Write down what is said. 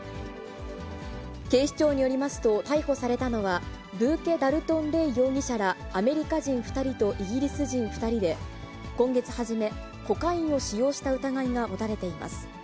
警視庁によりますと、逮捕されたのは、ブーケ・ダルトン・レイ容疑者らアメリカ人２人とイギリス人２人で、今月初め、コカインを使用した疑いが持たれています。